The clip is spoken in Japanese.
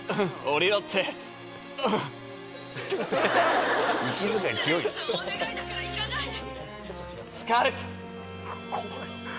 レットお願いだから行かないで。